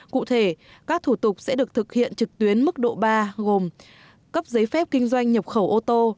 cụ thể các thủ tục sẽ được thực hiện trực tuyến mức độ ba gồm cấp giấy phép kinh doanh nhập khẩu ô tô